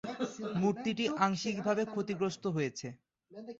মূর্তিটি আংশিকভাবে ক্ষতিগ্রস্ত হয়েছে।